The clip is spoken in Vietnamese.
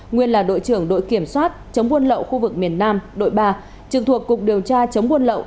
nguyên là đội trưởng đội kiểm soát chống buôn lậu khu vực miền nam đội ba trực thuộc cục điều tra chống buôn lậu